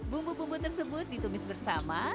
bumbu bumbu tersebut ditumis bersama